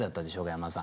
山田さん。